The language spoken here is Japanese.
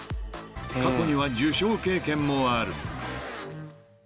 ［過去には受賞経験もある］